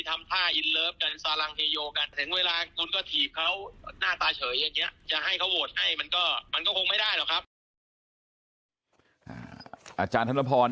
จะให้เขาโหวตให้มันก็คงไม่ได้หรอกครับ